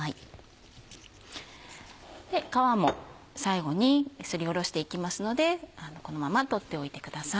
皮も最後にすりおろしていきますのでこのまま取っておいてください。